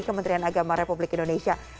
kementerian agama republik indonesia